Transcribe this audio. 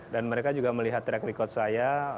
dan mereka juga melihat track record saya